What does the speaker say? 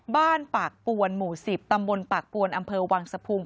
บ้านปากปวนหมู่๑๐ตำบลปากปวนอำเภอวังสะพุง